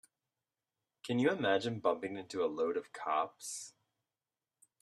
Can you imagine bumping into a load of cops?